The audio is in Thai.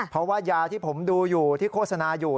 เพราะว่ายาที่ผมดูอยู่ที่โฆษณาอยู่